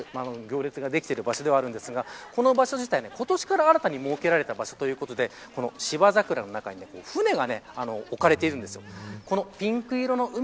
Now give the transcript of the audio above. すぐ脇の所は、絶えず行列ができている場所ですがこの場所自体、今年から新たに設けられた場所ということで芝桜の中に船が置かれてるんですよ。